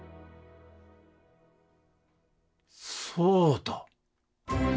そうだ！